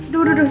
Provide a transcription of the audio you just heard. duh duh duh